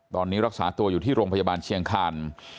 ตอนนี้รักษาตัวอยู่ที่โรงพยาบาลเชียงคัน